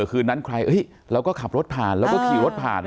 คืนนั้นใครเราก็ขับรถผ่านแล้วก็ขี่รถผ่าน